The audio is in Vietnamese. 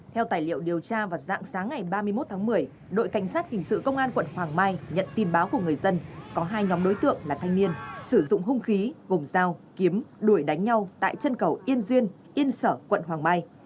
theo tài liệu điều tra vào dạng sáng ngày ba mươi một tháng một mươi đội cảnh sát hình sự công an quận hoàng mai nhận tin báo của người dân có hai nhóm đối tượng là thanh niên sử dụng hung khí gồm dao kiếm đuổi đánh nhau tại chân cầu yên duyên yên sở quận hoàng mai